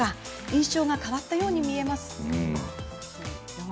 印象が変わったように見えますよね。